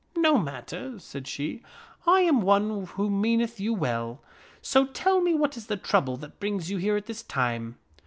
" No matter," said she, " I am one who meaneth you well ; so tell me what is the trouble that brings you here at this time."